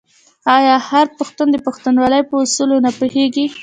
آیا هر پښتون د پښتونولۍ په اصولو نه پوهیږي؟